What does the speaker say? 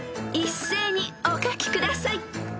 ［一斉にお書きください］